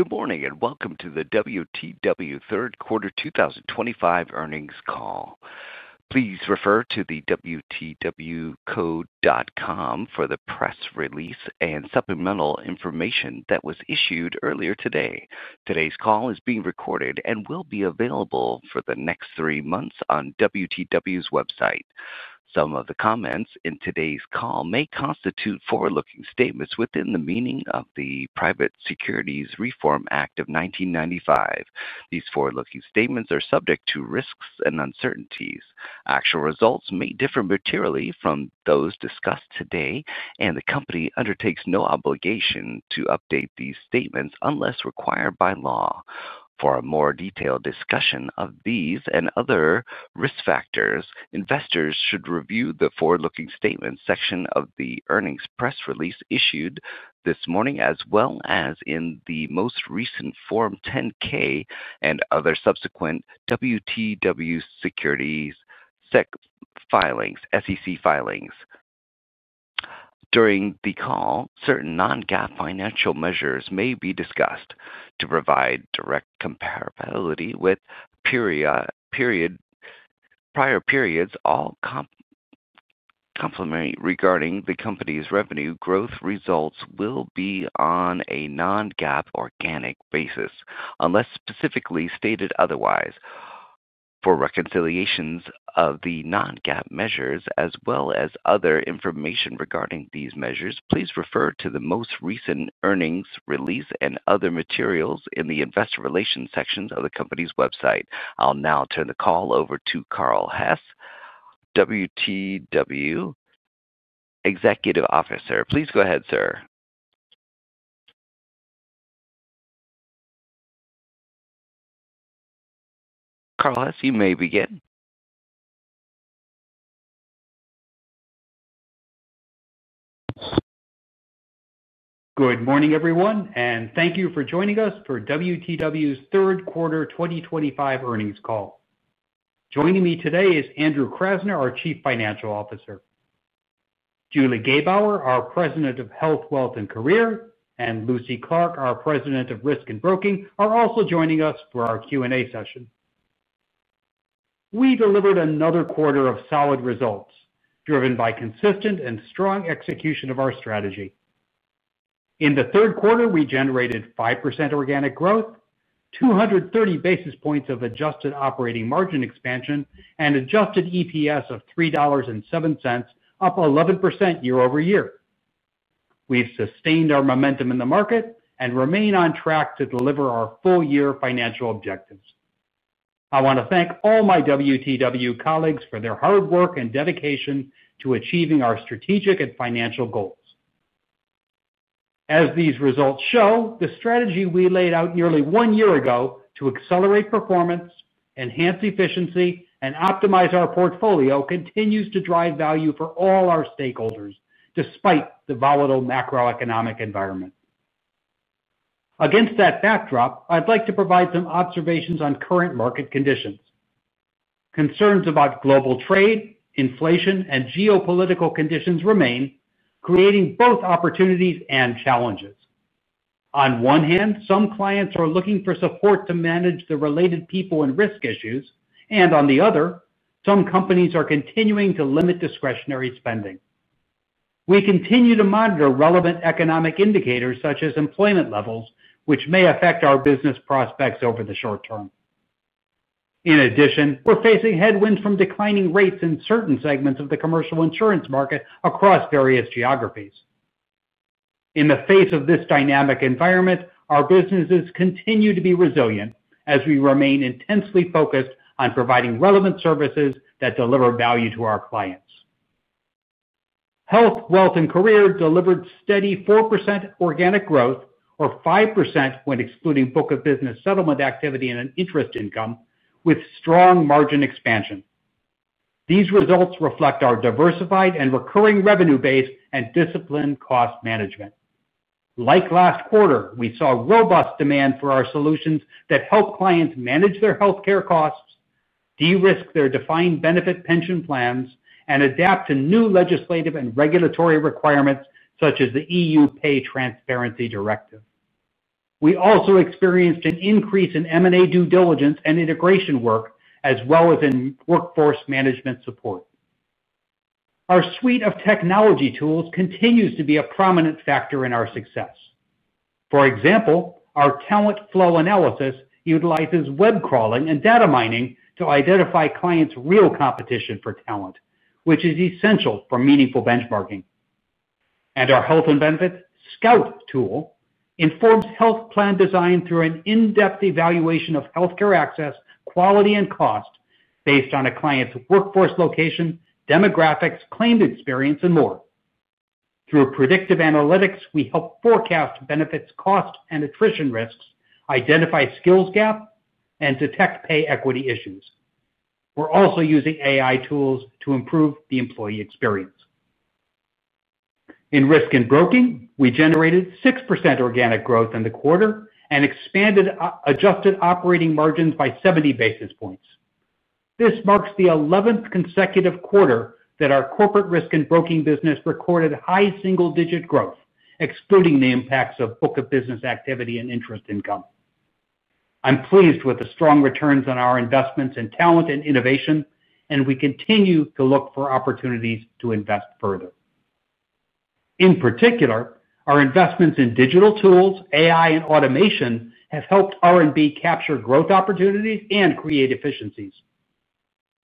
Good morning and welcome to the WTW third quarter 2025 earnings call. Please refer to the wtwco.com for the press release and supplemental information that was issued earlier today. Today's call is being recorded and will be available for the next three months on WTW's website. Some of the comments in today's call may constitute forward-looking statements within the meaning of the Private Securities Reform Act of 1995. These forward-looking statements are subject to risks and uncertainties. Actual results may differ materially from those discussed today and the company undertakes no obligation to update these statements unless required by law. For a more detailed discussion of these and other risk factors, investors should review the forward-looking statements section of the earnings press release issued this morning as well as in the most recent Form 10-K and other subsequent WTW SEC filings. During the call, certain non-GAAP financial measures may be discussed to provide direct comparability with prior periods. All commentary regarding the company's revenue growth results will be on a non-GAAP organic basis unless specifically stated otherwise. For reconciliations of the non-GAAP measures as well as other information regarding these measures, please refer to the most recent earnings release and other materials in the investor relations section of the company's website. I'll now turn the call over to Carl Hess, WTW Executive Officer. Please go ahead, sir. Carl Hess, you may begin. Good morning everyone and thank you for joining us for WTW's third quarter 2025 earnings call. Joining me today is Andrew Krasner, our Chief Financial Officer. Julie Gebauer, our President of Health, Wealth & Career, and Lucy Clarke, our President of Risk and Broking, are also joining us for our Q&A session. We delivered another quarter of solid results driven by consistent and strong execution of our strategy. In the third quarter, we generated 5% organic growth, 230 basis points of adjusted operating margin expansion, and adjusted EPS of $3.07, up 11% year-over-year. We've sustained our momentum in the market and remain on track to deliver our full year financial objectives. I want to thank all my WTW colleagues for their hard work and dedication to achieving our strategic and financial goals. As these results show, the strategy we laid out nearly one year ago to accelerate performance, enhance efficiency, and optimize our portfolio continues to drive value for all our stakeholders despite the volatile macroeconomic environment. Against that backdrop, I'd like to provide some observations on current market conditions. Concerns about global trade, inflation, and geopolitical conditions remain, creating both opportunities and challenges. On one hand, some clients are looking for support to manage the related people and risk issues, and on the other, some companies are continuing to limit discretionary spending. We continue to monitor relevant economic indicators such as employment levels, which may affect our business prospects over the short-term. In addition, we're facing headwinds from declining rates in certain segments of the commercial insurance market across various geographies. In the face of this dynamic environment, our businesses continue to be resilient as we remain intensely focused on providing relevant services that deliver value to our clients. Health, Wealth & Career delivered steady 4% organic growth, or 5% when excluding book of business settlement activity and interest income, with strong margin expansion. These results reflect our diversified and recurring revenue base and disciplined cost management. Like last quarter, we saw robust demand for our solutions that help clients manage their health care costs, de-risk their defined benefit pension plans, and adapt to new legislative and regulatory requirements such as the EU Pay Transparency Directive. We also experienced an increase in M&A due diligence and integration work as well as in workforce management support. Our suite of technology tools continues to be a prominent factor in our success. For example, our talent flow analysis utilizes web crawling and data mining to identify clients' real competition for talent, which is essential for meaningful benchmarking, and our Health and Benefits Scout tool informs health plan design through an in-depth evaluation of healthcare access, quality, and cost based on a client's workforce location, demographics, claim experience, and more. Through predictive analytics, we help forecast benefits, cost and attrition risks, identify skills gaps, and detect pay equity issues. We're also using AI tools to improve the employee experience in Risk and Broking. We generated 6% organic growth in the quarter and expanded adjusted operating margins by 70 basis points. This marks the 11th consecutive quarter that our Corporate Risk & Broking business recorded high single-digit growth, excluding the impacts of book of business activity and interest income. I'm pleased with the strong returns on our investments in talent and innovation, and we continue to look for opportunities to invest further. In particular, our investments in digital tools, AI, and automation have helped Risk and Broking capture growth opportunities and create efficiencies.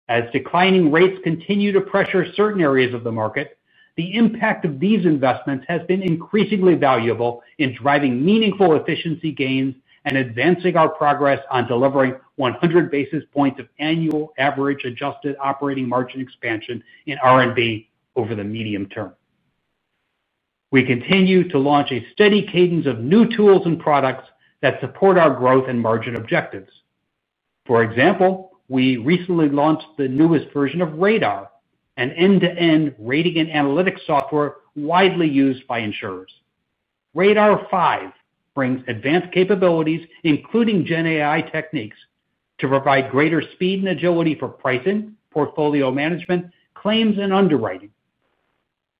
As declining rates continue to pressure certain areas of the market, the impact of these investments has been increasingly valuable in driving meaningful efficiency gains and advancing our progress on delivering 100 basis points of annual average adjusted operating margin expansion in Risk and Broking. Over the medium term, we continue to launch a steady cadence of new tools and products that support our growth and margin objectives. For example, we recently launched the newest version of Radar, an end-to-end rating and analytics software widely used by insurers. Radar 5 brings advanced capabilities, including GenAI techniques, to provide greater speed and agility for pricing, portfolio management, claims, and underwriting,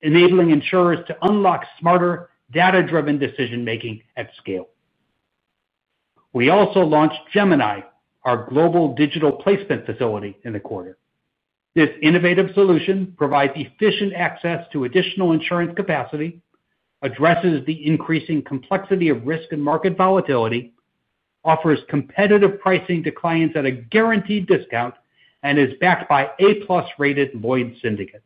enabling insurers to unlock smarter data-driven decision making at scale. We also launched Gemini, our global digital placement facility, in the quarter. This innovative solution provides efficient access to additional insurance capacity, addresses the increasing complexity of risk and market volatility, offers competitive pricing to clients at a guaranteed discount, and is backed by 8+ rated Lloyd's Syndicates.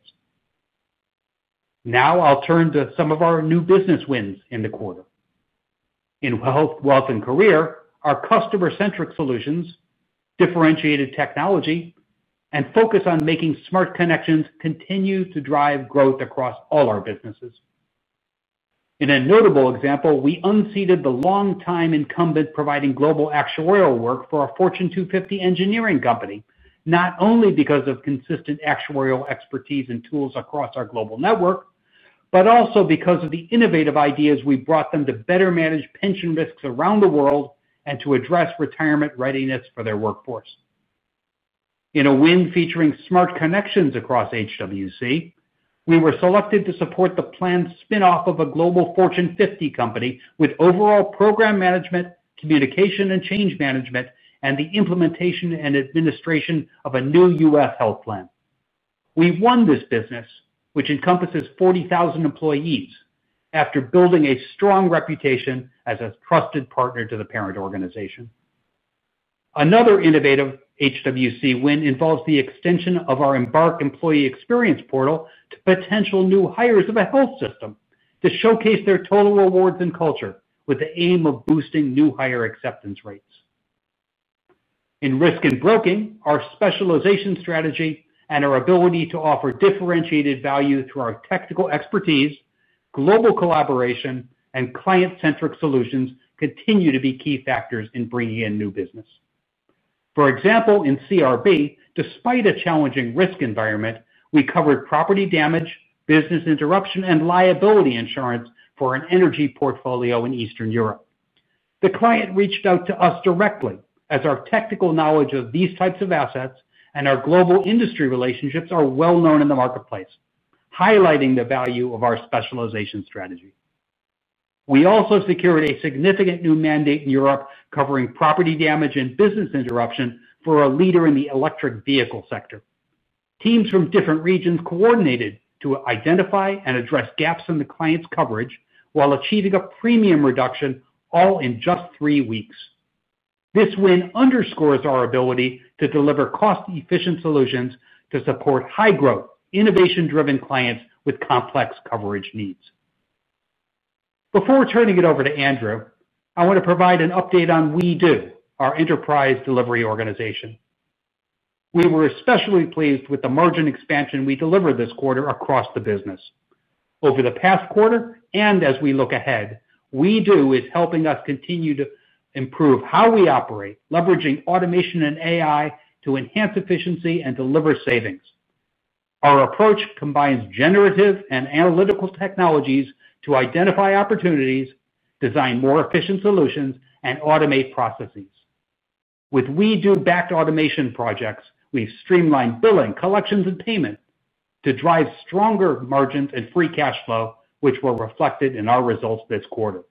Now I'll turn to some of our new business wins in the quarter in Wealth & Career. Our customer-centric solutions, differentiated technology, and focus on making smart connections continue to drive growth across all our businesses. In a notable example, we unseated the longtime incumbent providing global actuarial work for a Fortune 250 engineering company not only because of consistent actuarial expertise and tools across our global network, but also because of the innovative ideas we brought them to better manage pension risks around the world and to address retirement readiness for their workforce. In a win featuring smart connections across HWC, we were selected to support the planned spinoff of a global Fortune 50 company with overall program management, communication and change management, and the implementation and administration of a new U.S. health plan. We won this business, which encompasses 40,000 employees, after building a strong reputation as a trusted partner to the parent organization. Another innovative HWC win involves the extension of our Embark employee experience portal to potential new hires of a health system to showcase their total rewards and culture with the aim of boosting new hire acceptance rates. In Risk and Broking, our specialization strategy and our ability to offer differentiated value through our technical expertise, global collaboration, and client-centric solutions continue to be key factors in bringing in new business. For example, in CRB, despite a challenging risk environment, we covered property damage, business interruption, and liability insurance for an energy portfolio in Eastern Europe. The client reached out to us directly as our technical knowledge of these types of assets and our global industry relationships are well known in the marketplace. Highlighting the value of our specialization strategy, we also secured a significant new mandate in Europe covering property damage and business interruption for a leader in the electric vehicle sector. Teams from different regions coordinated to identify and address gaps in the client's coverage while achieving a premium reduction, all in just three weeks. This win underscores our ability to deliver cost-efficient solutions to support high-growth, innovation-driven clients with complex coverage needs. Before turning it over to Andrew, I want to provide an update on WEDO, our enterprise delivery organization. We were especially pleased with the margin expansion we delivered this quarter across the business over the past quarter and as we look ahead. WEDO is helping us continue to improve how we operate, leveraging automation and AI to enhance efficiency and deliver savings. Our approach combines generative and analytical technologies to identify opportunities, design more efficient solutions, and automate processes. With WEDO-backed automation projects, we've streamlined billing, collections, and payment to drive stronger margins and free cash flow, which were reflected in our results this quarter.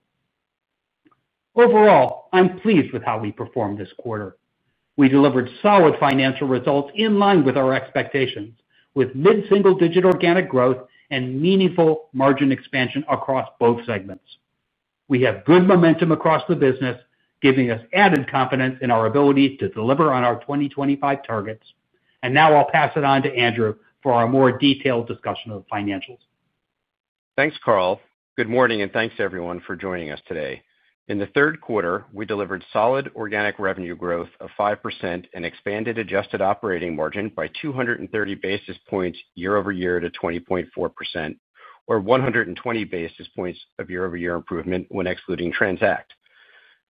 Overall, I'm pleased with how we performed this quarter. We delivered solid financial results in line with our expectations. With mid single-digit organic growth and meaningful margin expansion across both segments, we have good momentum across the business, giving us added confidence in our ability to deliver on our 2025 targets. Now I'll pass it on to Andrew for a more detailed discussion of the financials. Thanks, Carl. Good morning and thanks, everyone, for joining us today. In the third quarter, we delivered solid organic revenue growth of 5% and expanded adjusted operating margin by 230 basis points year-over-year to 20.4%, or 120 basis points of year-over-year improvement. When excluding TRANZACT,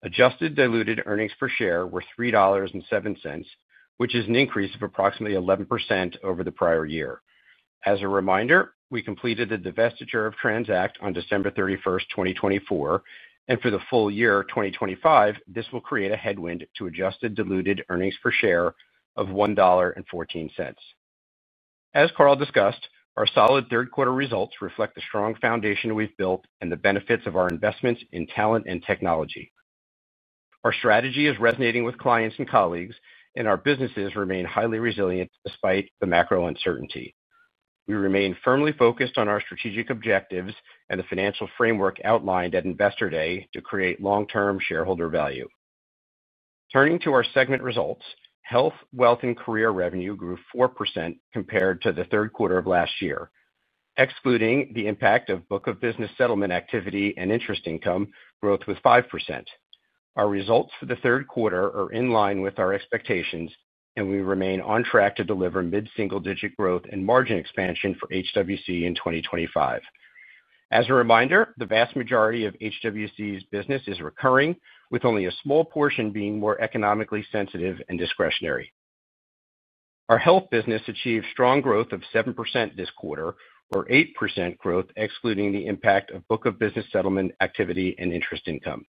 adjusted diluted earnings per share were $3.07, which is an increase of approximately 11% over the prior year. As a reminder, we completed the divestiture of TRANZACT on December 31st, 2024, and for the full year 2025, this will create a headwind to adjusted diluted earnings per share of $1.14. As Carl discussed, our solid third quarter results reflect the strong foundation we've built and the benefits of our investments in talent and technology. Our strategy is resonating with clients and colleagues, and our businesses remain highly resilient despite the macro uncertainty. We remain firmly focused on our strategic objectives and the financial framework outlined at Investor Day to create long-term shareholder value. Turning to our segment results, Health, Wealth & Career revenue grew 4% compared to the third quarter of last year. Excluding the impact of book of business settlement activity and interest income, growth was 5%. Our results for the third quarter are in line with our expectations, and we remain on track to deliver mid-single-digit growth and margin expansion for HWC in 2025. As a reminder, the vast majority of HWC's business is recurring, with only a small portion being more economically sensitive and discretionary. Our Health business achieved strong growth of 7% this quarter, or 8% growth excluding the impact of book of business settlement activity and interest income.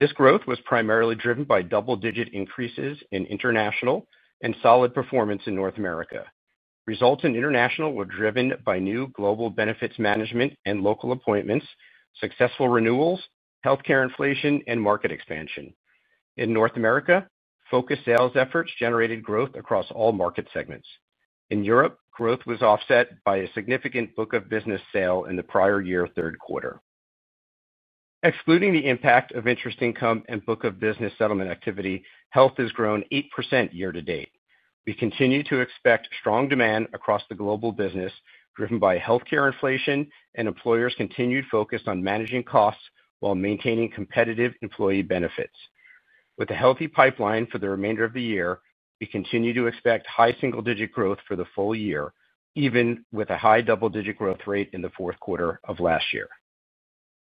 This growth was primarily driven by double-digit increases in International and solid performance in North America. Results in International were driven by new global benefits management and local appointments, successful renewals, healthcare inflation, and market expansion. In North America, focused sales efforts generated growth across all market segments. In Europe, growth was offset by a significant book of business sale in the prior year third quarter. Excluding the impact of interest income and book of business settlement activity, Health has grown 8% year-to-date. We continue to expect strong demand across the global business driven by health care, inflation, and employers' continued focus on managing costs while maintaining competitive employee benefits. With a healthy pipeline for the remainder of the year, we continue to expect high single-digit growth for the full year. Even with a high double-digit growth rate in the fourth quarter of last year,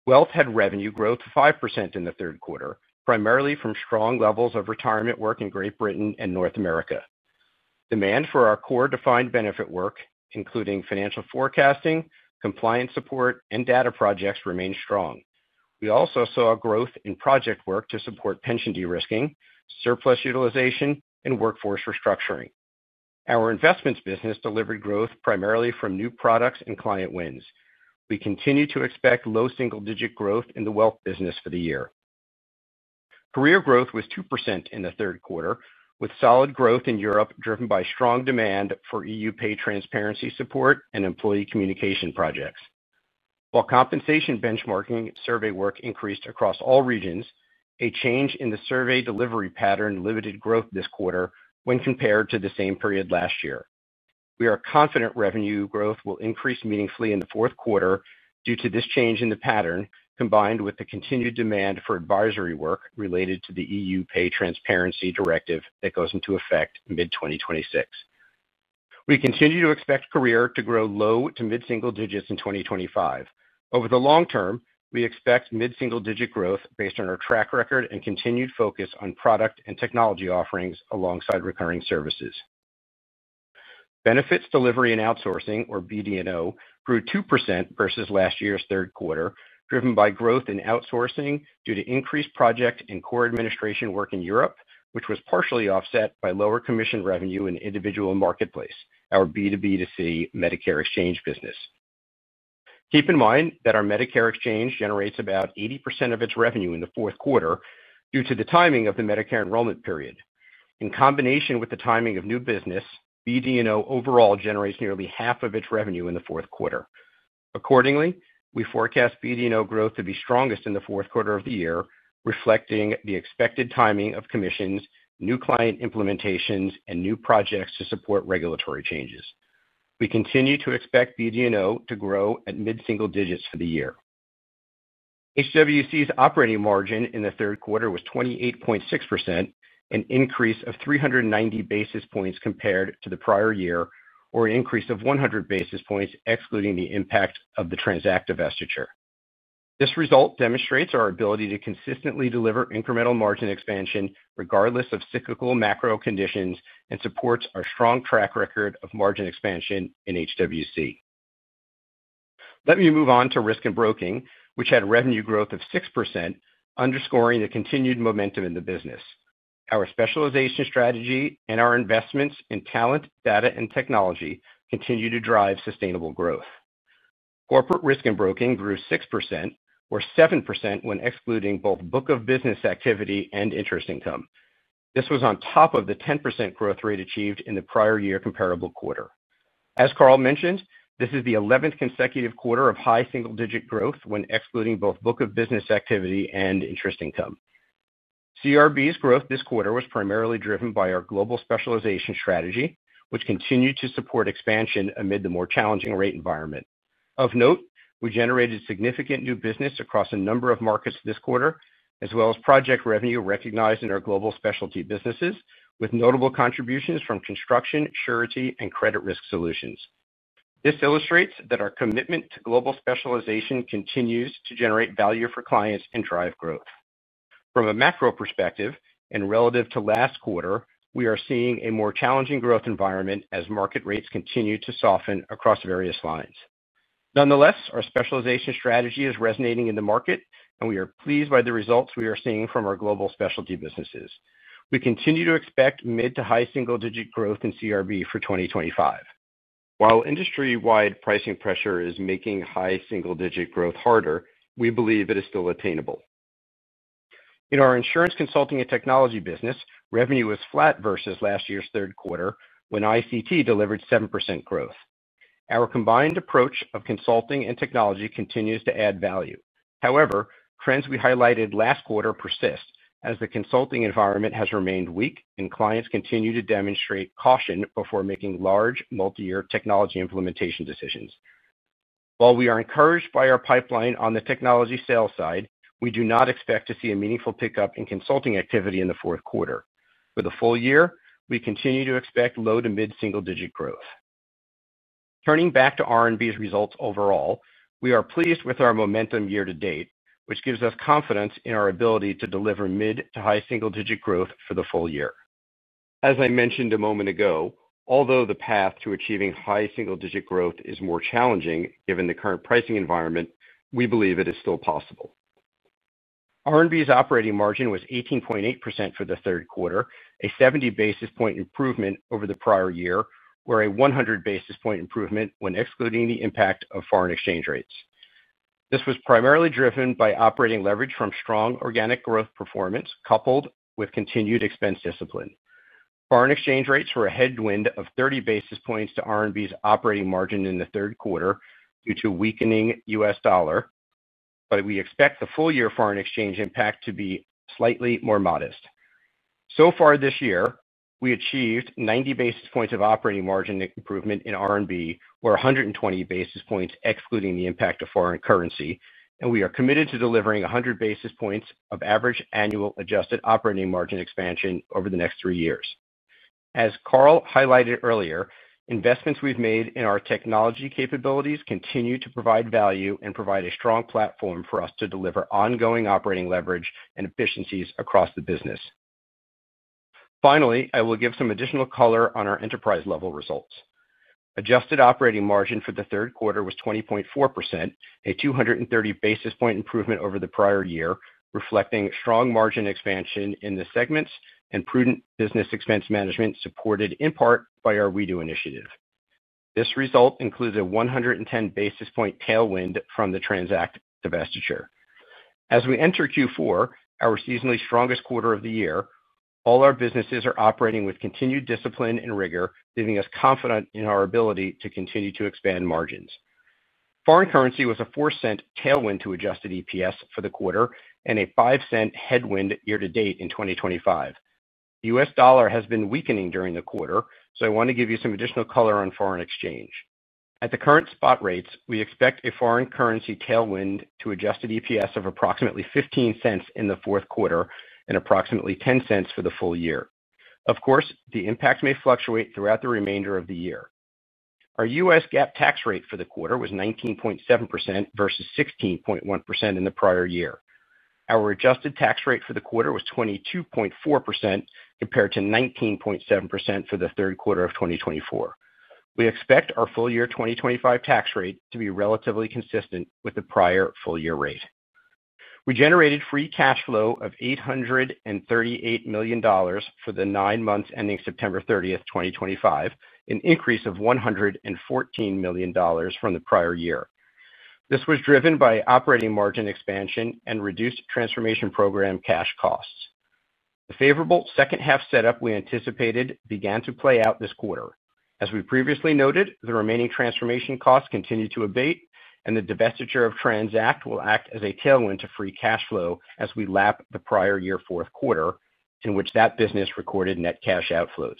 Wealth had revenue growth of 5% in the third quarter, primarily from strong levels of retirement work in Great Britain and North America. Demand for our core defined benefit work, including financial forecasting, compliance support, and data projects, remains strong. We also saw growth in project work to support pension de-risking, surplus utilization, and workforce restructuring. Our Investments business delivered growth primarily from new products and client wins. We continue to expect low single-digit growth in the Wealth business for the year. Career growth was 2% in the third quarter, with solid growth in Europe driven by strong demand for EU pay transparency support and employee communication projects, while compensation benchmarking survey work increased across all regions. A change in the survey delivery pattern limited growth this quarter when compared to the same period last year. We are confident revenue growth will increase meaningfully in the fourth quarter due to this change in the pattern, combined with the continued demand for advisory work related to the EU Pay Transparency Directive that goes into effect mid-2026. We continue to expect Career to grow low to mid-single digits in 2025. Over the long-term, we expect mid-single-digit growth based on our track record and continued focus on product and technology offerings alongside recurring services. Benefits Delivery & Outsourcing, or BD&O, grew 2% versus last year's third quarter, driven by growth in outsourcing due to increased project and core administration work in Europe, which was partially offset by lower commission revenue in individual marketplace, our B2B2C Medicare exchange business. Keep in mind that our Medicare exchange generates about 80% of its revenue in the fourth quarter due to the timing of the Medicare enrollment period. In combination with the timing of new business, BD&O overall generates nearly half of its revenue in the fourth quarter. Accordingly, we forecast BD&O growth to be strongest in the fourth quarter of the year, reflecting the expected timing of commissions, new client implementations, and new projects to support regulatory changes. We continue to expect BD&O to grow at mid single digits for the year. HWC's operating margin in the third quarter was 28.6%, an increase of 390 basis points compared to the prior year, or an increase of 100 basis points excluding the impact of the TRANZACT divestiture. This result demonstrates our ability to consistently deliver incremental margin expansion regardless of cyclical macro conditions and supports our strong track record of margin expansion in HWC. Let me move on to Risk and Broking, which had revenue growth of 6%, underscoring the continued momentum in the business. Our specialization strategy and our investments in talent, data, and technology continue to drive sustainable growth. Corporate Risk & Broking grew 6%, or 7% when excluding both book of business activity and interest income. This was on top of the 10% growth rate achieved in the prior year comparable quarter. As Carl mentioned, this is the 11th consecutive quarter of high single digit growth when excluding both book of business activity and interest income. CRB's growth this quarter was primarily driven by our global specialization strategy, which continues to support expansion amid the more challenging rate environment. Of note, we generated significant new business across a number of markets this quarter, as well as project revenue recognized in our global specialty businesses, with notable contributions from construction, surety, and credit risk solutions. This illustrates that our commitment to global specialization continues to generate value for clients and drive growth from a macro perspective. Relative to last quarter, we are seeing a more challenging growth environment as market rates continue to soften across various lines. Nonetheless, our specialization strategy is resonating in the market, and we are pleased by the results we are seeing from our global specialty businesses. We continue to expect mid to high single digit growth in CRB for 2025. While industry-wide pricing pressure is making high single digit growth harder, we believe it is still attainable in our Insurance Consulting & Technology business. Revenue was flat versus last year's third quarter, when ICT delivered 7% growth. Our combined approach of consulting and technology continues to add value. However, trends we highlighted last quarter persist as the consulting environment has remained weak and clients continue to demonstrate caution before making large multi-year technology implementation decisions. While we are encouraged by our pipeline on the technology sales side, we do not expect to see a meaningful pickup in consulting activity in the fourth quarter. For the full year, we continue to expect low to mid single-digit growth. Turning back to R&B's results overall, we are pleased with our momentum year to date, which gives us confidence in our ability to deliver mid to high single-digit growth for the full year. As I mentioned a moment ago, although the path to achieving high single-digit growth is more challenging given the current pricing environment, we believe it is still possible. R&B's operating margin was 18.8% for the third quarter, a 70 basis point improvement over the prior year or a 100 basis point improvement when excluding the impact of foreign exchange rates. This was primarily driven by operating leverage from strong organic growth performance coupled with continued expense discipline. Foreign exchange rates were a headwind of 30 basis points to R&B's operating margin in the third quarter due to a weakening U.S. dollar, but we expect the full year foreign exchange impact to be slightly more modest. So far this year, we achieved 90 basis points of operating margin improvement in R&B, or 120 basis points excluding the impact of foreign currency, and we are committed to delivering 100 basis points of average annual adjusted operating margin expansion over the next three years. As Carl highlighted, earlier investments we've made in our technology capabilities continue to provide value and provide a strong platform for us to deliver ongoing operating leverage and efficiencies across the business. Finally, I will give some additional color on our enterprise-level results. Adjusted operating margin for the third quarter was 20.4%, a 230 basis point improvement over the prior year, reflecting strong margin expansion in the segments and prudent business expense management supported in part by our WEDO initiative. This result includes a 110 basis point tailwind from the TRANZACT divestiture as we enter Q4, our seasonally strongest quarter of the year. All our businesses are operating with continued discipline and rigor, leaving us confident in our ability to continue to expand margins. Foreign currency was a $0.04 tailwind to adjusted EPS for the quarter and a $0.05 headwind year to date in 2025. The U.S. dollar has been weakening during the quarter, so I want to give you some additional color on foreign exchange. At the current spot rates, we expect a foreign currency tailwind to adjusted EPS of approximately $0.15 in the fourth quarter and approximately $0.10 for the full year. Of course, the impact may fluctuate throughout the remainder of the year. Our U.S. GAAP tax rate for the quarter was 19.7% versus 16.1% in the prior year. Our adjusted tax rate for the quarter was 22.4% compared to 19.7% for the third quarter of 2024. We expect our full year 2025 tax rate to be relatively consistent with the prior full year rate. We generated free cash flow of $838 million for the nine months ending September 30, 2025, an increase of $114 million from the prior year. This was driven by operating margin expansion and reduced transformation program cash costs. The favorable second half setup we anticipated began to play out this quarter as we previously noted, the remaining transformation costs continue to abate and the divestiture of TRANZACT will act as a tailwind to free cash flow. As we lap the prior year fourth quarter in which that business recorded net cash outflows,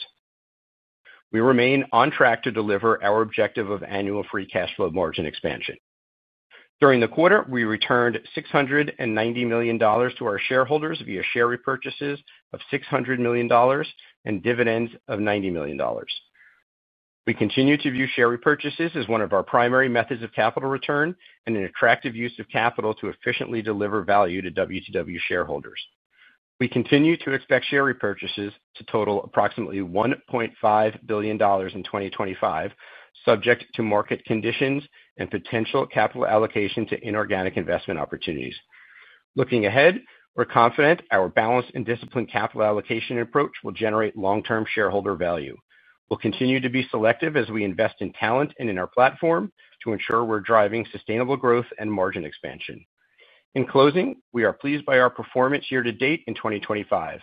we remain on track to deliver our objective of annual free cash flow margin expansion. During the quarter, we returned $690 million to our shareholders via share repurchases of $600 million and dividends of $90 million. We continue to view share repurchases as one of our primary methods of capital return and an attractive use of capital to efficiently deliver value to` WTW shareholders. We continue to expect share repurchases to total approximately $1.5 billion in 2025, subject to market conditions and potential capital allocation to inorganic investment opportunities. Looking ahead, we're confident our balanced and disciplined capital allocation approach will generate long-term shareholder value. We'll continue to be selective as we invest in talent and in our platform to ensure we're driving sustainable growth and margin expansion. In closing, we are pleased by our performance year to date. In 2025,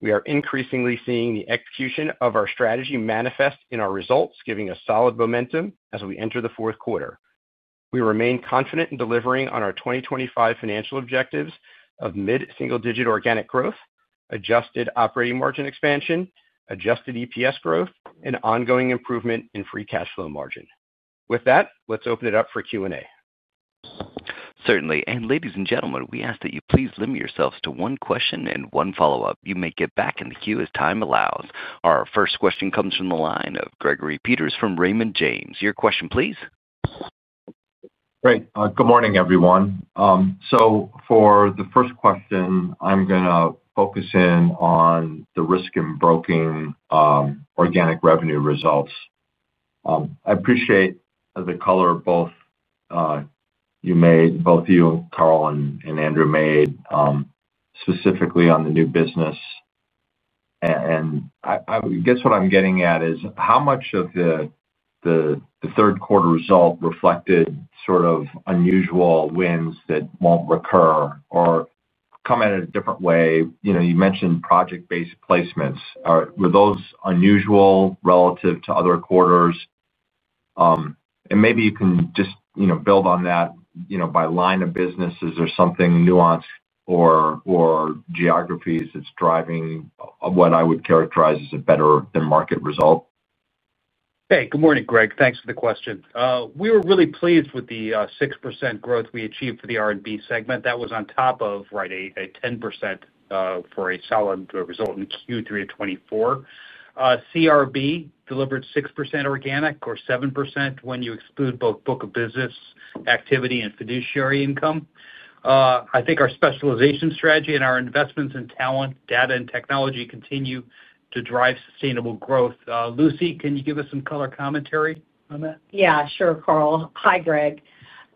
we are increasingly seeing the execution of our strategy manifest in our results giving us solid momentum as we enter the fourth quarter. We remain confident in delivering on our 2025 financial objectives of mid single digit organic growth, adjusted operating margin expansion, adjusted EPS growth, and ongoing improvement in free cash flow margin. With that, let's open it up for Q&A. Certainly. Ladies and gentlemen, we ask that you please limit yourselves to one question and one follow-up. You may get back in the queue as time allows. Our first question comes from the line of Gregory Peters from Raymond James, your question please. Great. Good morning everyone. For the first question, I'm going to focus in on the Risk and Broking organic revenue results. I appreciate the color both you and Carl and Andrew made specifically on the new business. I guess what I'm getting at is how much of the third quarter result reflected sort of unusual wins that won't recur or come at it a different way. You mentioned project-based placements. Were those unusual relative to other quarters, and maybe you can just build on that by line of business. Is there something nuanced or geographies that's driving what I would characterize as a better than market result? Hey, good morning Greg. Thanks for the question. We were really pleased with the 6% growth we achieved for the R&B segment. That was on top of 10% for. A solid result in Q3 of 2014. CRB delivered 6% organic or 7% when you exclude both book of business activity and fiduciary income. I think our specialization strategy and our investments in talent, data, and technology continue to drive sustainable growth. Lucy, can you give us some color commentary on that? Yeah, sure Carl. Hi Greg.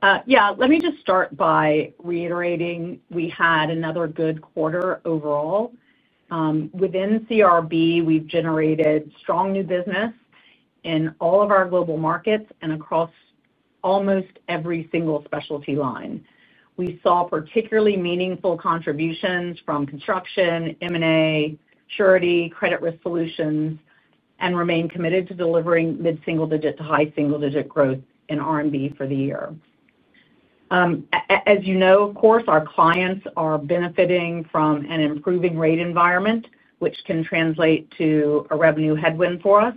Let me just start by reiterating we had another good quarter overall within CRB. We've generated strong new business in all of our global markets and across almost every single specialty line. We saw particularly meaningful contributions from construction, M&A surety, credit risk solutions and remain committed to delivering mid single digit to high single digit growth in R&B for the year. As you know, of course, our clients are benefiting from an improving rate environment which can translate to a revenue headwind for us.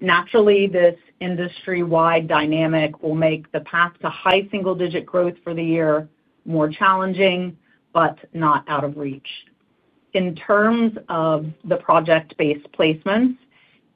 Naturally, this industry-wide dynamic will make the path to high single digit growth for the year more challenging, but not out of reach. In terms of the project-based placements,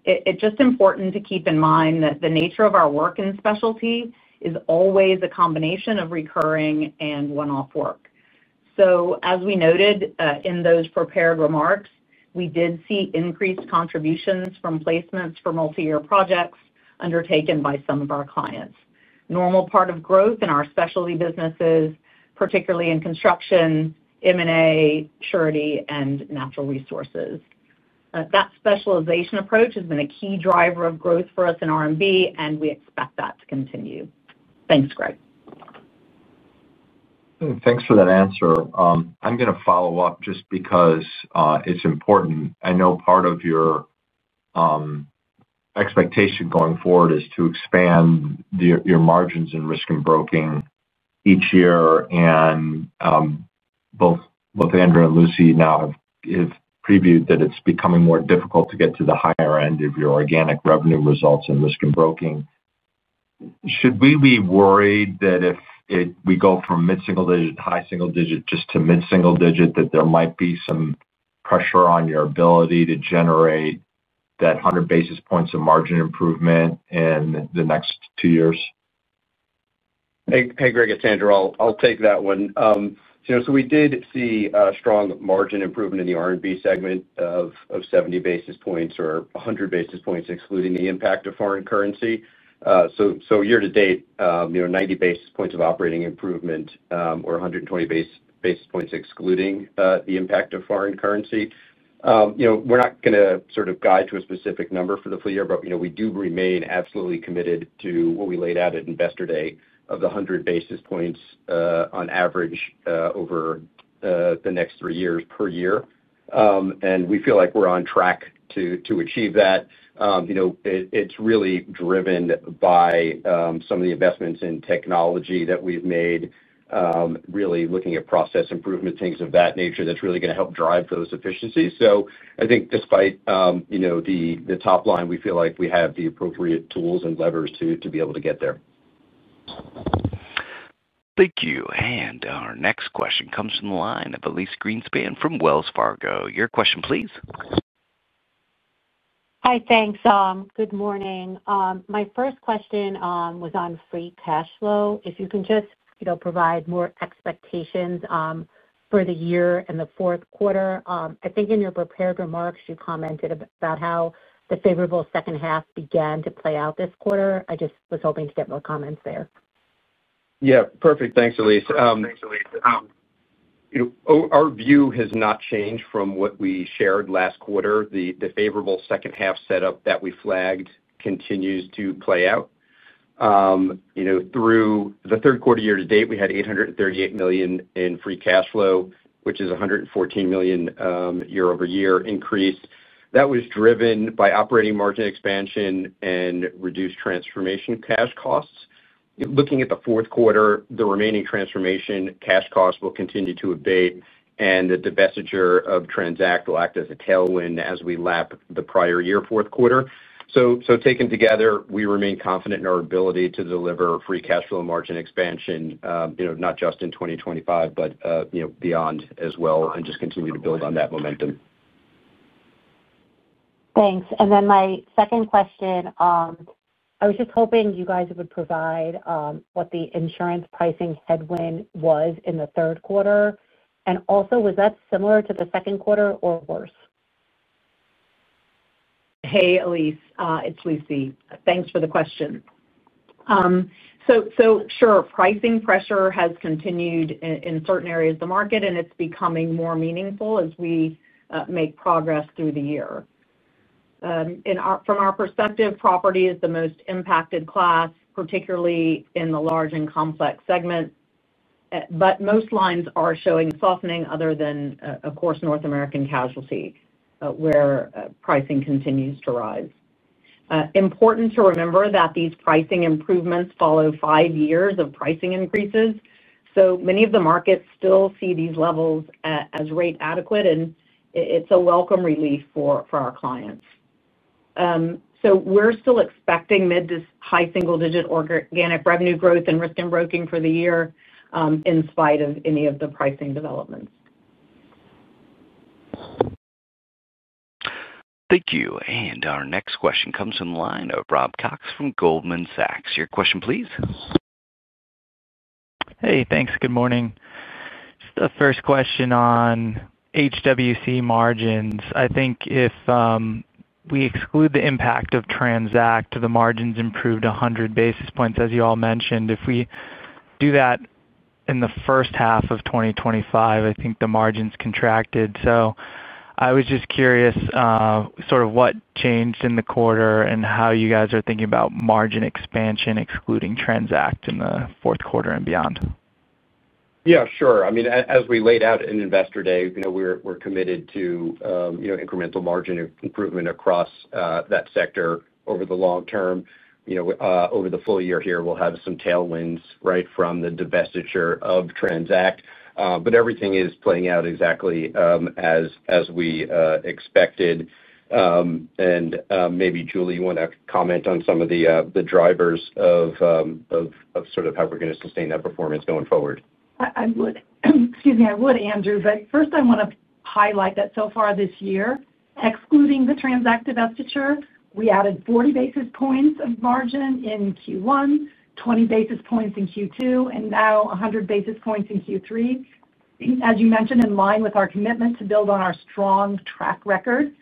it's just important to keep in mind that the nature of our work in specialty is always a combination of recurring and one-off project work. As we noted in those prepared remarks, we did see increased contributions from placements for multi-year projects undertaken by some of our clients. This is a normal part of growth in our specialty businesses, particularly in construction, M&A surety and natural resources. That specialization approach has been a key driver of growth for us in R&B and we expect that to continue. Thanks Greg. Thanks for that answer. I'm going to follow-up just because it's important. I know part of your expectation going forward is to expand your margins in Risk and Broking each year and both Andrew and Lucy now have previewed that it's becoming more difficult to get to the higher end of your organic revenue results in Risk and Broking. Should we be worried that if we go from mid single digit, high single digit just to mid single digit, that there might be some pressure on your ability to generate that 100 basis points of margin improvement in the next two years. Hey Greg, it's Andrew. I'll take that one. We did see strong margin improvement in the Risk and Broking segment of 70 basis points or 100 basis points excluding the impact of foreign currency. Year to date, 90 basis points of operating improvement or 120 basis points excluding the impact of foreign currency. We're not going to sort of guide to a specific number for the full year, but we do remain absolutely committed to what we laid out at Investor Day of the 100 basis points on average over the next three years per year. We feel like we're on track to achieve that. It's really driven by some of the investments in technology that we've made. Really looking at process improvement, things of that nature, that's really going to help drive those efficiencies. I think despite the top line, we feel like we have the appropriate tools and levers to be able to get there. Thank you. Our next question comes from the line of Elyse Greenspan from Wells Fargo. Your question please. Hi, thanks. Good morning. My first question was on free cash flow. If you can just provide more expectations for the year and the fourth quarter. I think in your prepared remarks you commented about how the favorable second half began to play out this quarter. I just was hoping to get more comments there. Yeah, perfect. Thanks, Elyse. Our view has not changed from what we shared last quarter. The favorable second half setup that we flagged continues to play out through the third quarter. Year to date we had $838 million in free cash flow, which is a $114 million year-over-year increase that was driven by operating margin expansion and reduced transformation cash costs. Looking at the fourth quarter, the remaining transformation cash costs will continue to abate, and the divestiture of TRANZACT will act as a tailwind as we lap the prior year fourth quarter. Taken together, we remain confident in our ability to deliver free cash flow margin expansion not just in 2025, but beyond as well, and just continue to build on that momentum. Thanks. My second question, I was just hoping you guys would provide what the insurance pricing headwind was in the third quarter and also was that similar to the second quarter or worse? Hey Elyse, it's Lucy. Thanks for the question. Sure. Pricing pressure has continued in certain areas of the market, and it's becoming more meaningful as we make progress through the year. From our perspective, property is the most impacted class, particularly in the large and complex segments. Most lines are showing softening other than, of course, North American Casualty where pricing continues to rise. It's important to remember that these pricing improvements follow five years of pricing increases. Many of the markets still see these levels as rate adequate, and it's a welcome relief for our clients. We're still expecting mid to high single digit organic revenue growth in Risk and Broking for the year in spite of any of the pricing developments. Thank you. Our next question comes from the line of Robert Cox from Goldman Sachs. Your question please. Hey, thanks. Good morning. The first question on HWC margins, I think if we exclude the impact of TRANZACT, the margins improved 100 basis points, as you all mentioned. If we do that in the first half of 2025, I think the margins contracted. I was just curious, sort of. What changed in the quarter, and how? You guys are thinking about margin expansion excluding TRANZACT in the fourth quarter. And Bey? Yes, sure. I mean as we laid out in Investor Day, we're committed to incremental margin improvement across that sector over the long-term. Over the full year here we'll have some tailwinds right from the divestiture of TRANZACT, but everything is playing out exactly as we expected. Julie, you want to comment on some of the drivers of how we're going to sustain that performance going forward. Excuse me, I would, Andrew, but first I want to highlight that so far this year, excluding the TRANZACT divestiture, we added 40 basis points of margin in Q1, 20 basis points in Q2, and now 100 basis points in Q3, as you mentioned, in line with our commitment to build on our strong track record.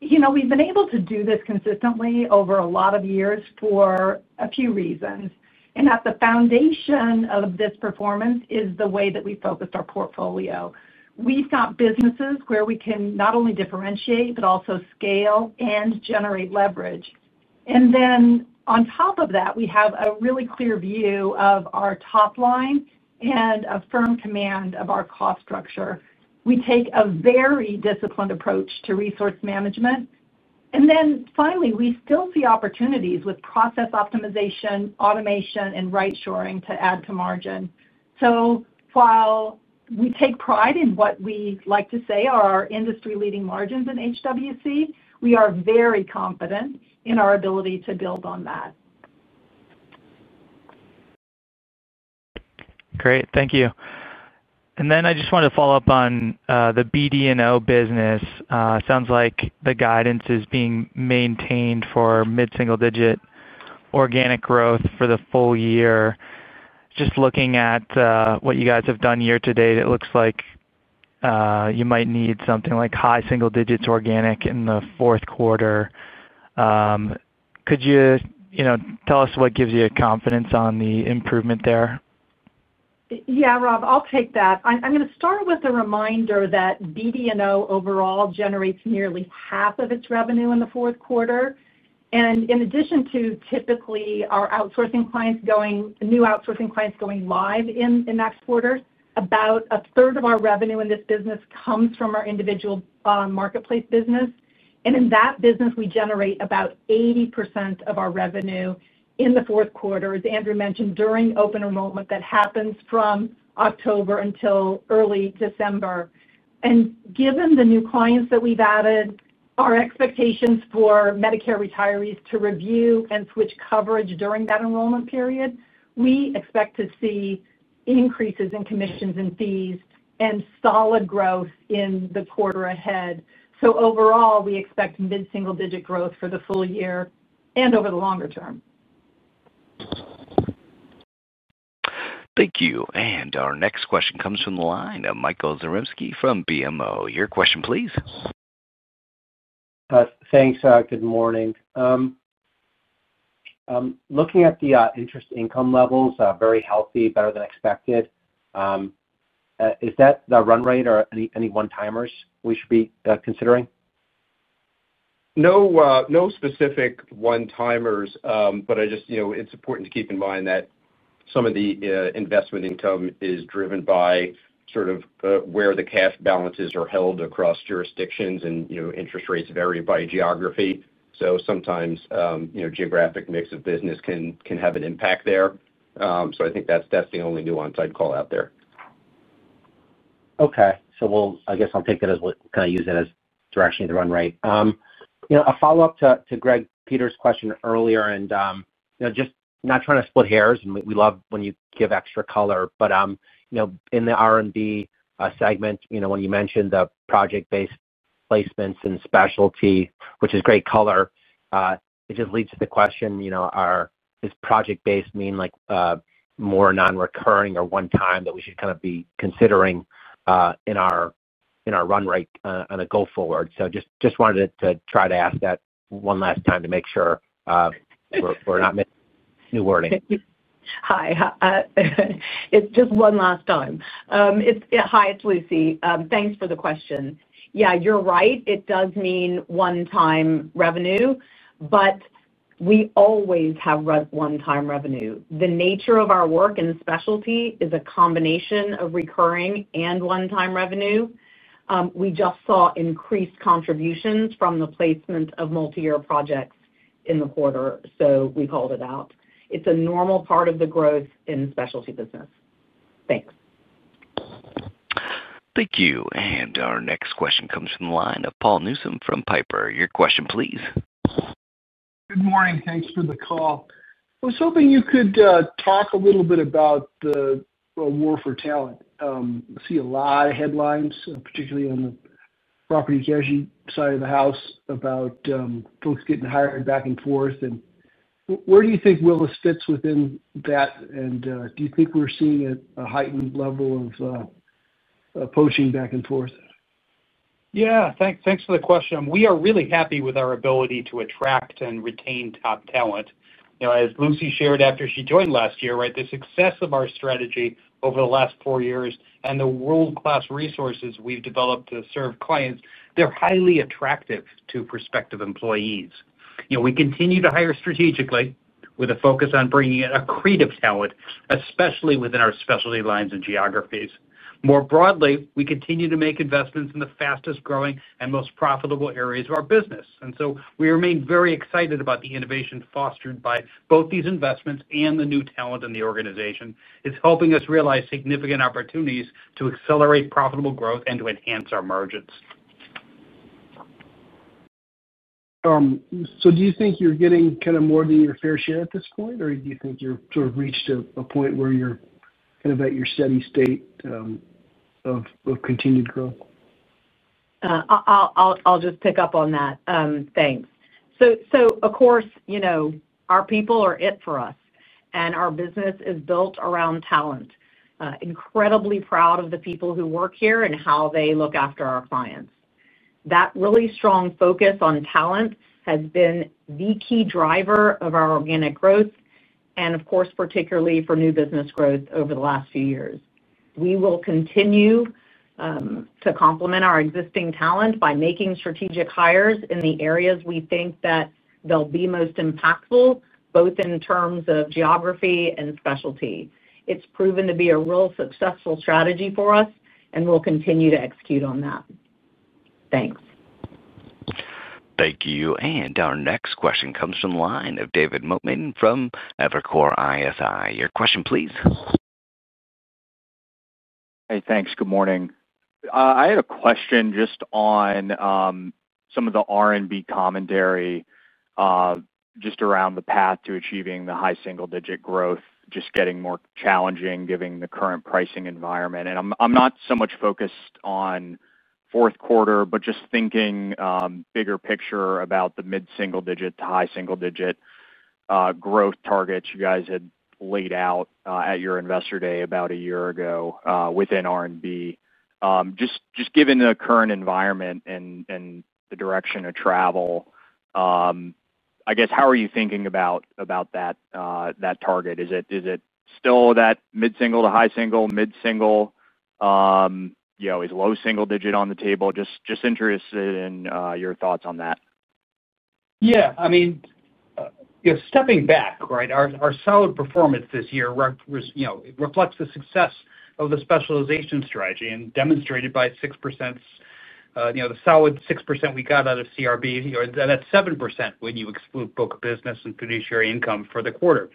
We've been able to do this consistently over a lot of years for a few reasons. At the foundation of this performance is the way that we focus our portfolio. We've got businesses where we can not only differentiate but also scale and generate leverage. On top of that, we have a really clear view of our top line and a firm command of our cost structure. We take a very disciplined approach to resource management. Finally, we still see opportunities with process optimization, automation, and right shoring to add to margin. While we take pride in what we like to say are our industry-leading margins in HWC, we are very confident in our ability to build on that. Great, thank you. I just wanted to follow-up on the BD&O business. It sounds like the guidance is being maintained for mid single digit organic growth for the full year. Just looking at what you guys have done year to date, it looks like you might need something like high single digits organic in the fourth quarter. Could you tell us what gives you confidence on the improvement there? Yeah Rob, I'll take that. I'm going to start with a reminder that BD&O overall generates nearly half of its revenue in the fourth quarter. In addition to typically our outsourcing clients going live in next quarter, about a third of our revenue in this business comes from our individual marketplace business. In that business we generate about 80% of our revenue in the fourth quarter. As Andrew mentioned during open enrollment that happens from October until early December. Given the new clients that we've added, our expectations for Medicare retirees to review and switch coverage during that enrollment period, we expect to see increases in commissions and fees and solid growth in the quarter ahead. Overall we expect mid single digit growth for the full year and over the longer-term. Thank you. Our next question comes from the line of Michael Zaremski from BMO. Your question please. Thanks. Good morning. Looking at the interest income levels, very healthy, better than expected. Is that the run rate or any? No specific one timers, but it's important to keep in mind that some of the investment income is driven by where the cash balances are held across jurisdictions. Interest rates vary by geography, so sometimes geographic mix of business can have an impact there. I think that's the only nuance I'd call out there. Okay, I'll take that and use it as kind of. Direction to run rate. You know, a follow-up to Greg Peters' question earlier, and just not trying to split hairs, and we love when you give extra color, but you know in the R&B segment, you know when you mentioned the project-based placements and specialty, which is great color. It just leads to the question, you. Are does project based mean like? More non-recurring or one-time that. We should be considering in our run rate on a go forward. I just wanted to try to ask that one last time to make sure. We're not missing new wording. Hi, it's Lucy. Thanks for the question. Yeah, you're right, it does mean one time revenue. We always have one time revenue. The nature of our work and specialty is a combination of recurring and one time revenue. We just saw increased contributions from the placement of multi-year projects in the quarter, so we called it out. It's a normal part of the growth in specialty business. Thanks. Thank you. Our next question comes from the line of Paul Newsome from Piper, your question please. Good morning. Thanks for the call. I was hoping you could talk a little bit about the war for talent. See a lot of headlines, particularly on the property casualty side of the house, about folks getting hired back and forth and where do you think Willis fits within that? Do you think we're seeing a heightened level of poaching back and forth? Yeah, thanks for the question. We are really happy with our ability to attract and retain top talent. As Lucy shared after she joined last year, the success of our strategy over the last four years and the world-class resources we've developed to serve clients are highly attractive to prospective employees. We continue to hire strategically with a focus on bringing in accretive talent, especially within our specialty lines and geographies. More broadly, we continue to make investments in the fastest growing and most profitable areas of our business. We remain very excited about the innovation fostered by both these investments and the new talent in the organization. It's helping us realize significant opportunities to accelerate profitable growth and to enhance our margins. Do you think you're getting kind of more than your fair share at. this point, or do you think you've reached a point where you're kind of. At your steady state of continued growth? I'll just pick up on that, thanks. Of course, our people are it for us and our business is built around talent. Incredibly proud of the people who work here and how they look after our clients. That really strong focus on talent has been the key driver of our organic growth and, of course, particularly for new business growth over the last years. We will continue to complement our existing talent by making strategic hires in the areas we think that they'll be most impactful, both in terms of geography and specialty. It's proven to be a real successful strategy for us and we'll continue to execute on that. Thanks. Thank you. Our next question comes from the line of David Motemaden from Evercore ISI. Your question please. Hey, thanks. Good morning. I had a question just on some of the R&B commentary, just around the path to achieving the high single digit growth. It is getting more challenging, given the current pricing environment. I'm not so much focused on fourth quarter, but just thinking bigger picture about the mid single digit to high single digit growth targets you guys had laid out at your investor day about a year ago within R&B. Given the current environment and the direction of travel, I guess, how are you thinking about that target? Is it still that mid single to high single, mid single is low single digit on the table? Just interested in your thoughts on that. Yeah, I mean, stepping back, right. Our solid performance this year reflects the success of the specialization strategy and demonstrated by 6%. You know, the solid 6% we got out of CRB, that's 7% when you exclude book of business and fiduciary income for the quarter.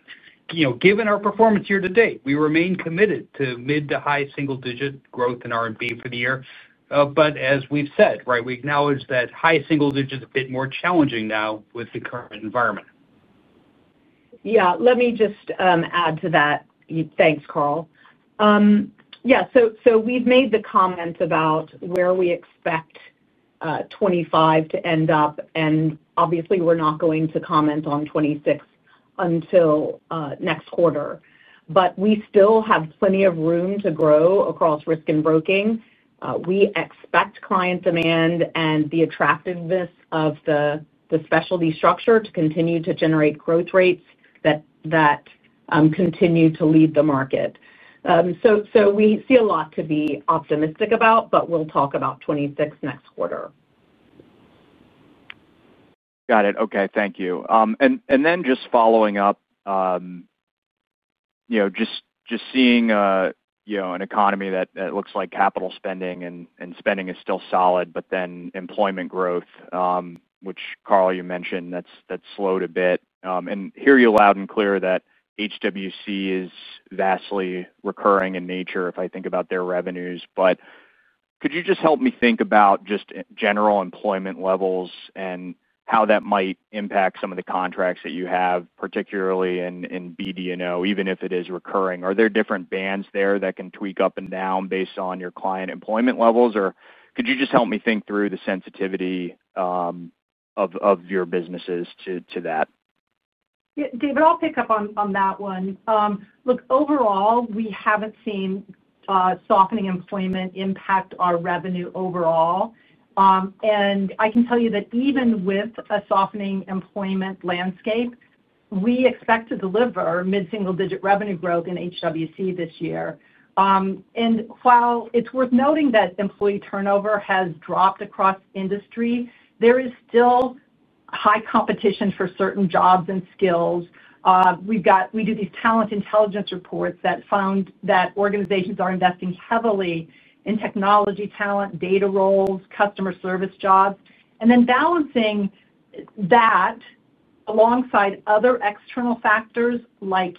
You know, given our performance year to date, we remain committed to mid to high single digit growth in R&B for the year. As we've said, we acknowledge that high single digit is a bit more challenging now with the current environment. Yeah, let me just add to that. Thanks, Carl. Yeah, we've made the comments about where we expect 2025 to end up, and obviously we're not going to comment on 2026 until next quarter. We still have plenty of room to grow across Risk and Broking, and we expect client demand and the attractiveness of the specialty structure to continue to generate growth rates that continue to lead the market. We see a lot to be optimistic about. We'll talk about 2026 next quarter. Got it. Okay, thank you. Just following up, seeing an economy that looks like capital spending and spending is still solid, but then employment growth, which Carl, you mentioned that slowed a bit, and hear you loud and clear that HWC is vastly recurring in nature if I think about their revenues. Could you just help me think about general employment levels and how that might impact some of the contracts that you have, particularly in BD&O, even if it is recurring? Are there different bands there that can tweak up and down based on your client employment levels? Could you just help me think through the sensitivity of your businesses to that, David? I'll pick up on that one. Look, overall we haven't seen softening employment impact our revenue overall. I can tell you that even with a softening employment landscape, we expect to deliver mid single digit revenue growth in HWC this year. While it's worth noting that employee turnover has dropped across industry, there is still high competition for certain jobs and skills. We do these talent intelligence reports that found that organizations are investing heavily in technology, talent, data roles, customer service jobs, and then balancing that alongside other external factors like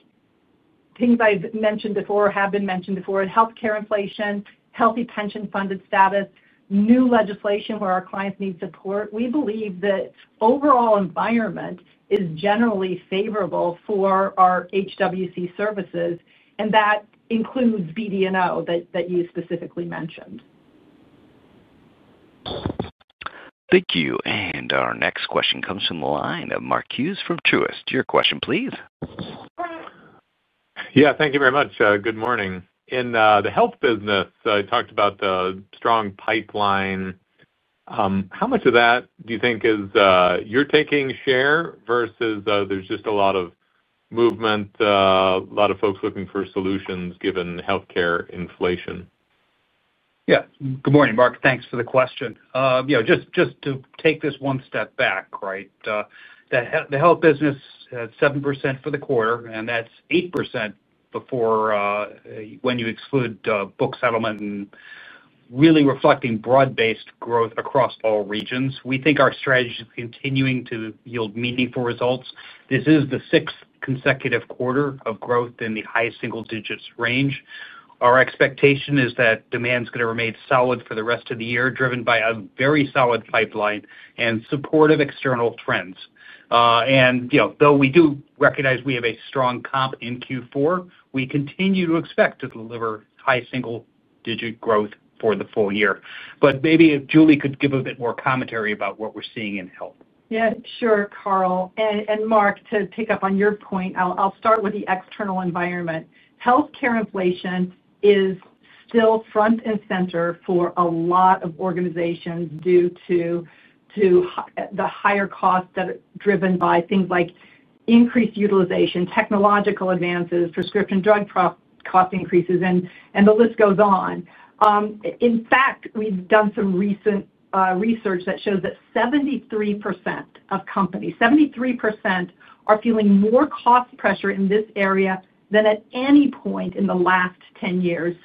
things I've mentioned before or have been mentioned before in health care inflation, healthy pension funded status, new legislation where our clients need support. We believe that overall environment is generally favorable for our HWC services and that includes BD&O that you specifically mentioned. Thank you. Our next question comes from the line of Mark Hughes from Truist. Your question please. Yeah, thank you very much. Good morning. In the Health business I talked about the strong pipeline. How much of that do you think is you're taking share versus there's just a lot of movement, a lot of folks looking for solutions given health care inflation. Yeah, good morning Mark. Thanks for the question. Just to take this one step back, the Health business, 7% for the quarter and that's 8% before when you exclude book settlement, and really reflecting broad-based growth across all regions. We think our strategy is continuing to yield meaningful results. This is the sixth consecutive quarter of growth in the high single digits range. Our expectation is that demand is going to remain solid for the rest of the year, driven by a very solid pipeline and supportive external trends. Though we do recognize we have a strong comp in Q4, we continue to expect to deliver high single digit growth for the full year. Maybe if Julie could give a bit more commentary about what we're seeing in Health. Yeah, sure. Carl and Mark, to pick up on your point, I'll start with the external environment. Health care inflation is still front and center for a lot of organizations due to the higher costs that are driven by things like increased utilization, technological advances, prescription drug cost increases, and the list goes on. In fact, we've done some recent research that shows that 73% of companies, 73%, are feeling more cost pressure in this area than at any point in the last 10 years.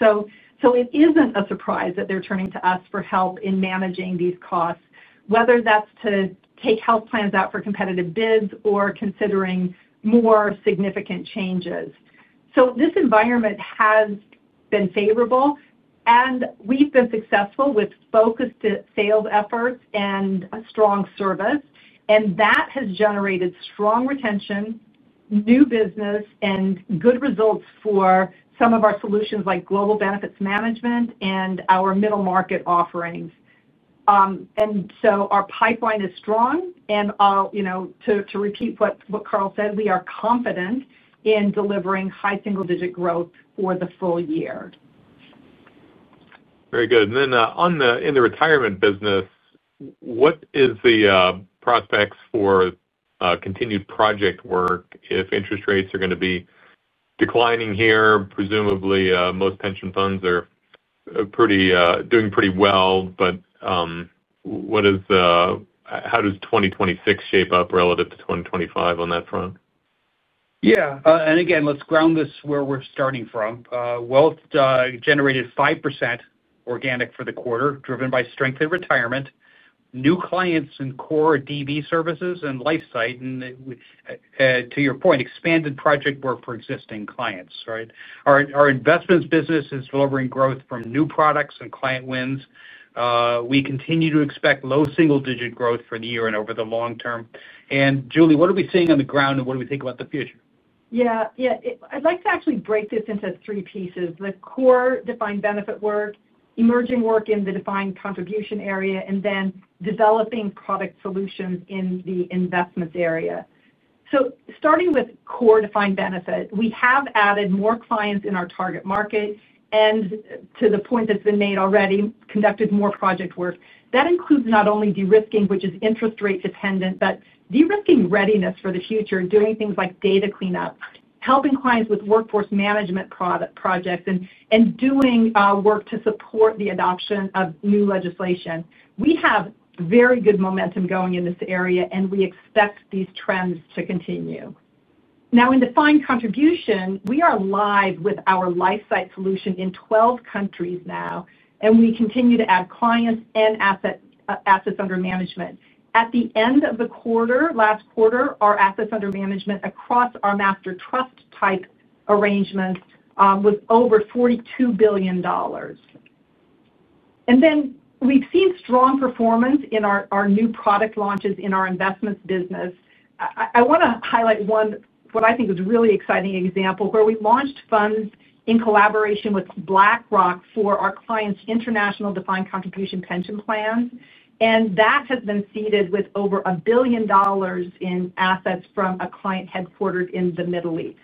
It isn't a surprise that they're turning to us for help in managing these costs, whether that's to take health plans out for competitive bids or considering more significant changes. This environment has been favorable and we've been successful with focused sales efforts and a strong service. That has generated strong retention, new business and good results for some of our solutions like global benefits management and our middle market offerings. Our pipeline is strong. To repeat what Carl said, we are confident in delivering high single digit growth for the full year. Very good. In the retirement business, what is the prospects for continued project work if interest rates are going to be declining here? Presumably most pension funds are doing pretty well. How does 2026 shape up relative to 2025 on that front? Yeah. Let's ground this where we're starting from. Wealth generated 5% organic for the quarter, driven by strength in retirement, new clients and core DB services and LifeSite. To your point, expanded project work for existing clients. Right. Our investments business is delivering growth from new products and client wins. We continue to expect low single-digit growth for the year and over the long-term. Julie, what are we seeing on the ground and what do we think about the future? Yeah, I'd like to actually break this into three pieces. The core defined benefit work, emerging work in the defined contribution area, and then developing product solutions in the investments area. Starting with core defined benefit, we have added more clients in our target market and, to the point that's been made already, conducted more project work that includes not only de-risking, which is interest rate dependent, but de-risking readiness for the future, doing things like data cleanup, helping clients with workforce management projects, and doing work to support the adoption of new legislation. We have very good momentum going in this area, and we expect these trends to continue. Now in defined contribution, we are live with our lifesite solution in 12 countries now, and we continue to add clients and assets under management. At the end of the quarter, last quarter our assets under management account across our master trust type arrangements was over $42 billion. We've seen strong performance in our new product launches in our investments business. I want to highlight one, what I think is a really exciting example, where we launched funds in collaboration with BlackRock for our clients' international defined contribution pension plans, and that has been seeded with over $1 billion in assets from a client headquartered in the Middle East.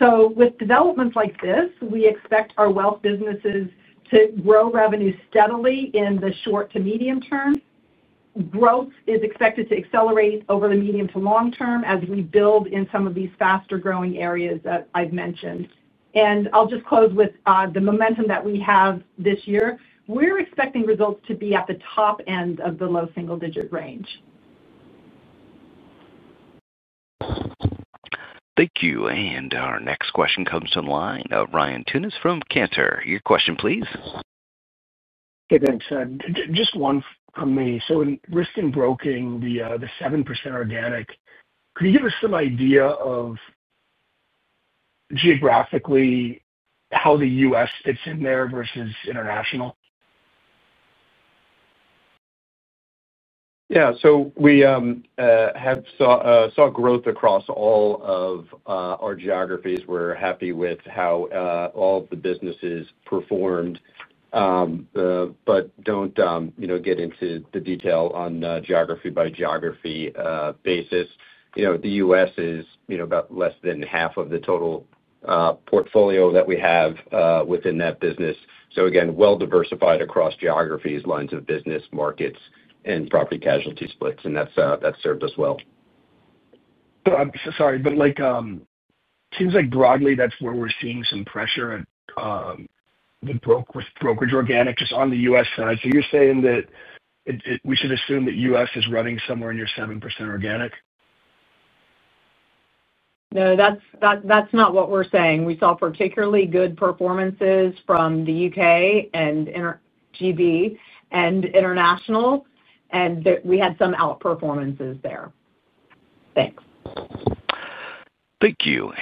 With developments like this, we expect our wealth businesses to grow revenue steadily in the short to medium term. Growth is expected to accelerate over the medium to long-term as we build in some of these faster growing areas that I've mentioned. I'll just close with the momentum that we have this year. We're expecting results to be at the top end of the low single digit range. Thank you. Our next question comes to the line, Ryan Tunis from Cantor, your question please. Thanks. Just one from me. In Risk and Broking, the 7%. Organic, could you give us some idea of geographically how the U.S. fits in there versus international? Yeah, we saw growth across all of our geographies. We're happy with how all the businesses performed. On a geography basis, the U.S. is about less than half of the total portfolio that we have within that business. Again, well diversified across geographies, lines of business, markets, and property casualty splits, and that served us well. I'm sorry, but it seems like broadly. That's where we're seeing some pressure with brokerage organic just on the U.S. side. You're saying that we should assume that U.S. is running somewhere near 7% organic? No, that's not what we're saying. We saw particularly good performances from the UK and GB and international, and we had some outperformances there. Thanks. Thank you.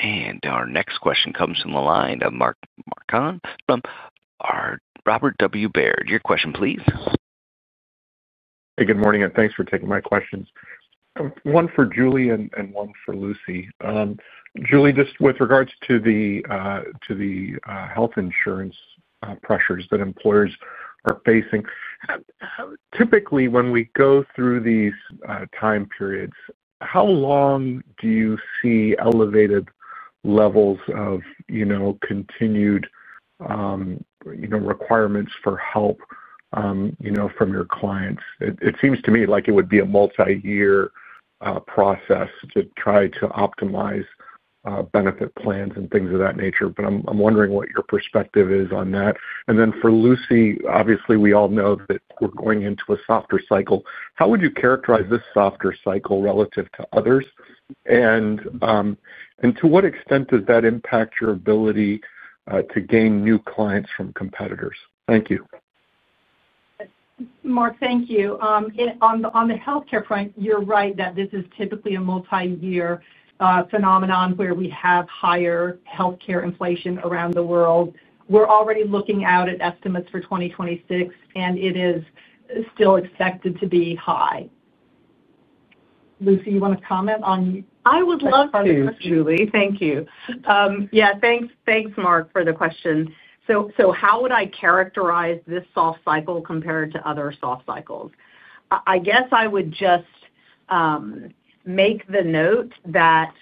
Our next question comes from the line of Marcon from Robert W. Baird. Your question please. Good morning and thanks for taking my questions. One for Julie and one for Lucy. Julie, just with regards to the health insurance pressures that employers are facing, typically when we go through these time periods, how long do you see elevated levels of continued requirements for help from your clients? It seems to me like it would be a multi-year process to try to optimize benefit plans and things of that nature. I'm wondering what your perspective is on that. For Lucy, obviously we all know that we're going into a softer cycle. How would you characterize this softer cycle relative to others? To what extent does that impact your ability to gain new clients from competitors? Thank you. Mark. Thank you. On the healthcare front, you're right that this is typically a multi-year phenomenon where we have higher healthcare inflation around the world. We're already looking out at estimates for 2026 and it is still expected to be high. Lucy, you want to comment on. I would love to. Julie, thank you. Yeah, thanks Mark for the question. How would I characterize this soft cycle compared to other soft cycles? I guess I would just make the note that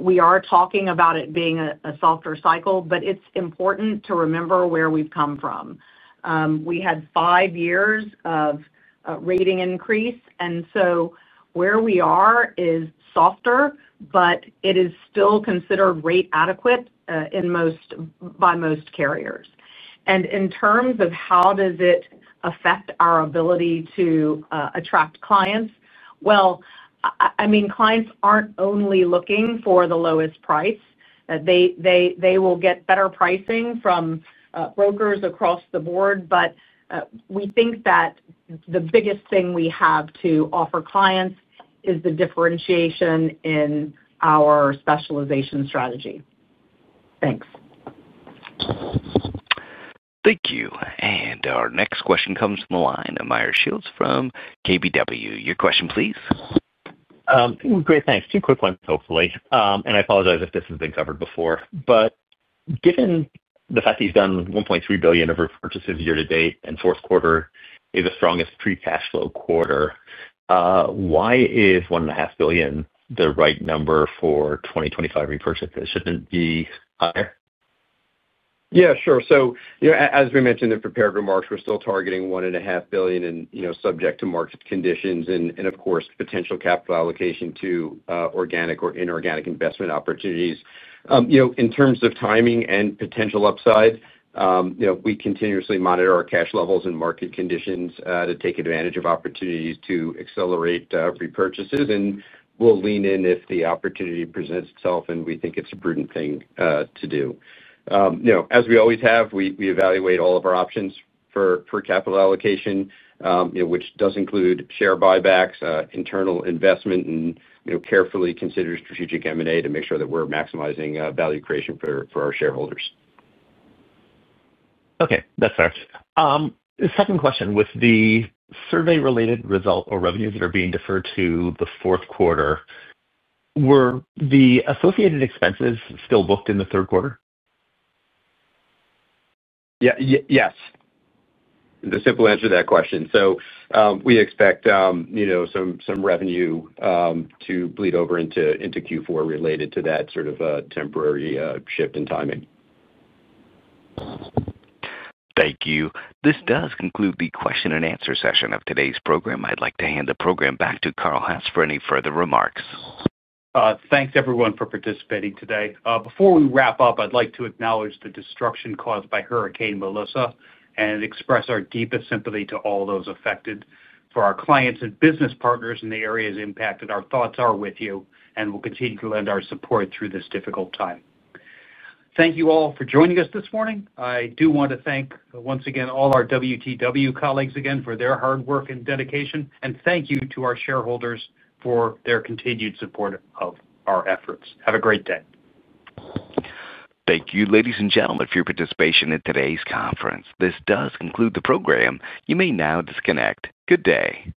we are talking about it being a softer cycle. It's important to remember where we've come from. We had five years of rating increase, and so where we are is softer, but it is still considered rate adequate by most carriers. In terms of how does it affect our ability to attract clients, clients aren't only looking for the lowest price. They will get better pricing from brokers across the board, but we think that the biggest thing we have to offer clients is the differentiation in our specialization strategy. Thanks. Thank you. Our next question comes from the line of Meyer Shields from KBW. Your question, please. Great, thanks. Two quick ones, hopefully. I apologize if this has been covered before, but given the fact you've done $1.3 billion of repurchases year to date and fourth quarter is the strongest free cash flow quarter, why is $1.5 billion the right number for 2025 repurchase? Shouldn't it be higher? Yeah, sure. As we mentioned in prepared remarks, we're still targeting $1.5 billion and subject to market conditions and of course potential capital allocation to organic or inorganic investment opportunities. In terms of timing and potential upside, we continuously monitor our cash levels and market conditions to take advantage of opportunities to accelerate repurchases. We'll lean in if the opportunity presents itself and we think it's a prudent thing to do. As we always have, we evaluate all of our options for capital allocation, which does include share buybacks, internal investment, and carefully consider strategic M&A to make sure that we're maximizing value creation for our shareholders. Okay, that's fair. Second question, with the survey related result or revenues that are being deferred to the fourth quarter, were the associated expenses still booked in the third quarter? Yes. The simple answer to that question. We expect some revenue to bleed over into Q4 related to that sort of a temporary shift in timing. Thank you. This does conclude the question and answer session of today's program. I'd like to hand the program back to Carl Hess for any further remarks. Thanks everyone for participating today. Before we wrap up, I'd like to acknowledge the destruction caused by Hurricane Melissa and express our deepest sympathy to all those affected, for our clients and business partners in the areas impacted. Our thoughts are with you and we will continue to lend our support through this difficult time. Thank you all for joining us this morning. I do want to thank once again all our WTW colleagues for their hard work and dedication, and thank you to our shareholders for their continued support of our efforts. Have a great day. Thank you, ladies and gentlemen, for your participation in today's conference. This does conclude the program. You may now disconnect. Good day.